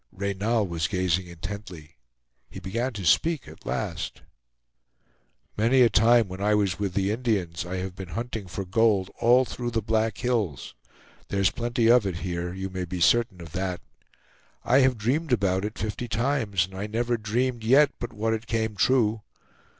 Reynal was gazing intently; he began to speak at last: "Many a time, when I was with the Indians, I have been hunting for gold all through the Black Hills. There's plenty of it here; you may be certain of that. I have dreamed about it fifty times, and I never dreamed yet but what it came true.